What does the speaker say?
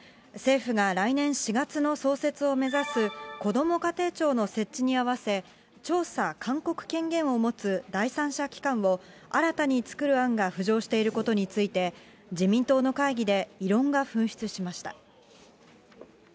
政府が来年４月の創設を目指す、こども家庭庁の設置に合わせ、調査・勧告権限を持つ第三者機関を、新たに作る案が浮上していることについて、自民党の会議で異論が噴出しました。